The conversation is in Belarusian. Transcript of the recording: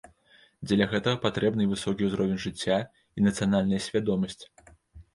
Дзеля гэтага патрэбны і высокі ўзровень жыцця, і нацыянальная свядомасць.